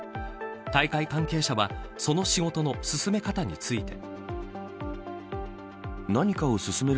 大会関係者はその仕事の進め方について。